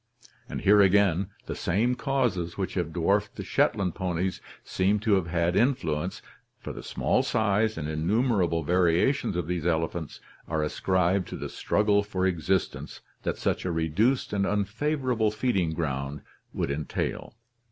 And here again the same causes which have dwarfed the Shetland ponies seem to have had their 168 ORGANIC EVOLUTION influence, for the small size and innumerable variations of these elephants are ascribed to the struggle for existence that such a reduced and unfavorable feeding ground would entail.